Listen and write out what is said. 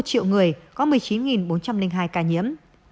cứ một triệu người có một mươi chín bốn trăm linh hai ca nhiễm